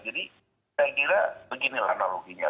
jadi saya kira beginilah analoginya